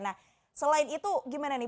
nah selain itu gimana nih